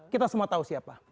kita semua tahu siapa